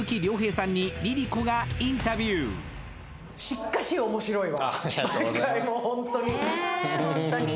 しっかし面白いわ！